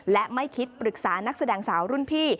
และไม่คิดปรึกษานักแสดงสาวรุ่นพี่